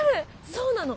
そうなの！